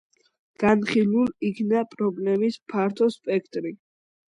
განხილულ იქნა პრობლემების ფართო სპექტრი.